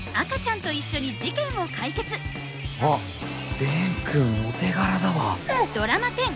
あっ蓮くんお手柄だわ。